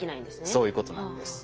そういうことなんです。